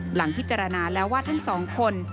หลังพิจารณาแล้วว่าทั้งสองคน